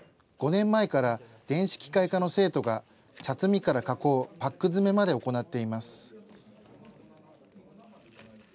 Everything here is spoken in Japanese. ５年前から電子機械科の生徒が茶摘みから加工、パック詰めまで行っています。